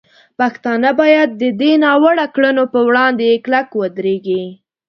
پښتانه باید د دې ناوړه کړنو په وړاندې کلک ودرېږي.